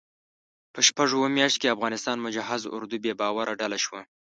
په شپږو اوو میاشتو کې افغانستان مجهز اردو بې باوره ډله شوه.